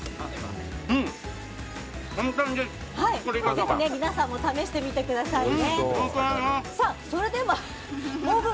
ぜひ皆さんも試してみてくださいね。